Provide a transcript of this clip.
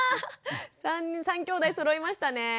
３きょうだいそろいましたね。